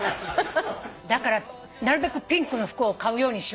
だからなるべくピンクの服を買うようにしようと思って。